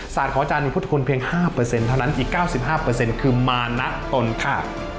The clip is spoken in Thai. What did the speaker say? ศาสตร์ของอาจารย์พุทธคุณเพียงห้าเปอร์เซ็นต์เท่านั้นอีกเก้าสิบห้าเปอร์เซ็นต์คือมานะตนค่ะ